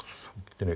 でね